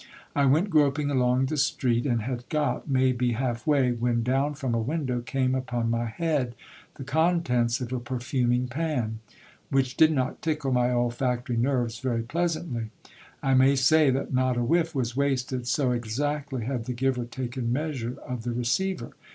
I went groping along the street, and had got, may be, half way, when down from a window came upon my head the contents of a perfuming pan, which did not tickle my olfactory nerves very pleasantly. I may say that not a whiff was wasted, so exactly had the giver taken measure of the receiver.